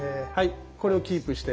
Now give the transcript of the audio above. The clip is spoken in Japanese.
これをキープして。